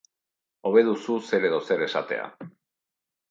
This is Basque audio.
Hobe duzu zer edo zer esatea.